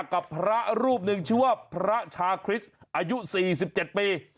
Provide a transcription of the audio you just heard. กับพระรูปหนึ่งชื่อว่าพระชาคริสต์อายุ๔๗ปี